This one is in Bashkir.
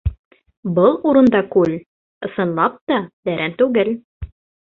Был урында күл, ысынлап та, тәрән түгел.